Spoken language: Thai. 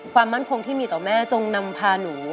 ความมั่นคงที่มีต่อแม่จงนำพาหนู